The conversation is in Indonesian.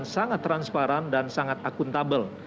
sangat transparan dan sangat akuntabel